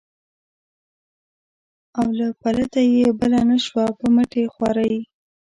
اوله پلته یې بله نه شوه په مټې خوارۍ.